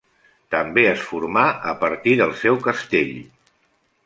També es formà a partir del seu castell.